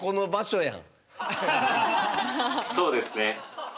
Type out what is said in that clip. そうですね。